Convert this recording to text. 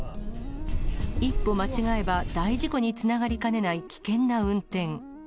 一歩間違えば大事故につながりかねない危険な運転。